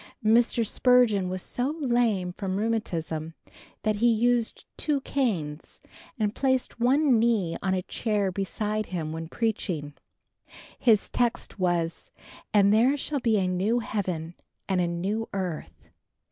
Mr. Spurgeon was so lame from rheumatism that he used two canes and placed one knee on a chair beside him, when preaching. His text was "And there shall be a new heaven and a new earth."